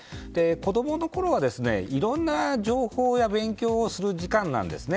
子供のころはいろんな情報や勉強をする時間なんですね。